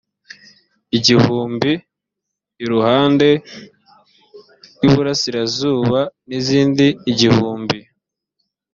igihumbi iruhande rw iburasirazuba n izindi igihumbi